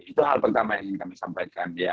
itu hal pertama yang ingin kami sampaikan ya